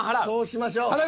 そうしましょう。